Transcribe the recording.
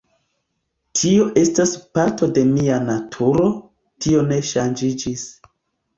Tio estas parto de mia naturo, tio ne ŝanĝiĝis.